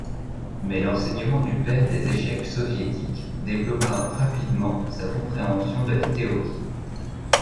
Mais l'enseignement du père des échecs soviétiques développa rapidement sa compréhension de la théorie.